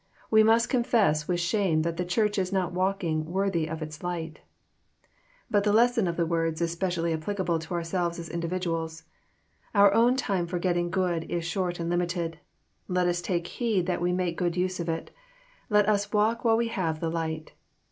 We must confess with shame that the Church is not walking worthy of its light. Bat the lesson of the words is specially applicable to ourselves as individaals. Our own time for getting good is short and limited; let us take heed that we make good use of it. Let us *^ walk while we have the light."